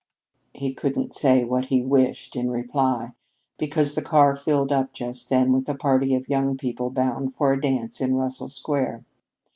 He couldn't say what he wished in reply because the car filled up just then with a party of young people bound for a dance in Russell Square.